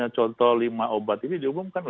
contoh lima obat ini diumumkan